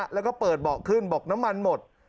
แล้วก็เปิดเบาะขึ้นบอกน้ำมันหมด